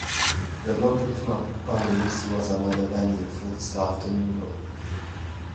The local Club "Bunnys" was another venue for the staff to mingle.